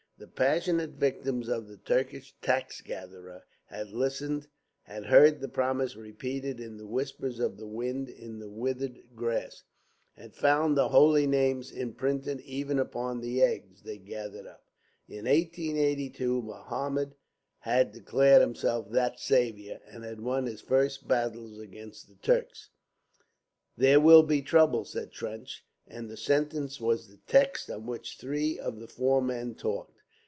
The passionate victims of the Turkish tax gatherer had listened, had heard the promise repeated in the whispers of the wind in the withered grass, had found the holy names imprinted even upon the eggs they gathered up. In 1882 Mohammed had declared himself that Saviour, and had won his first battles against the Turks. "There will be trouble," said Trench, and the sentence was the text on which three of the four men talked.